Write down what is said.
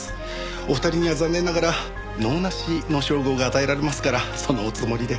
お二人には残念ながら能なしの称号が与えられますからそのおつもりで。